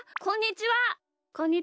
こんにちは。